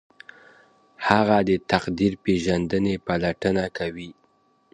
هغه د تقدیر پیژندنې پلټنه کوي.